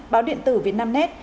báo điện tử việt nam net